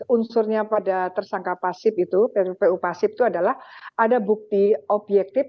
unsurnya pada tersangka pasif itu pppu pasip itu adalah ada bukti objektif